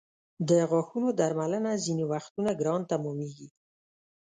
د غاښونو درملنه ځینې وختونه ګرانه تمامېږي.